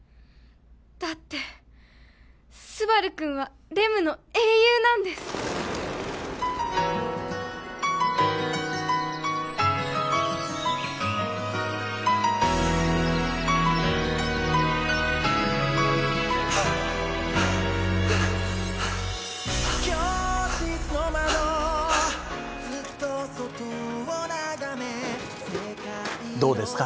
だってスバル君はレムの英雄なんですどうですか？